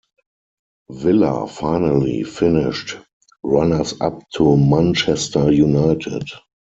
Villa finally finished runners-up to Manchester United.